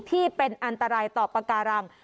ที่เป็นอันตรายต่อปากการัง